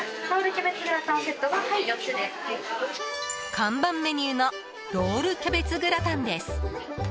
看板メニューのロールキャベツグラタンです。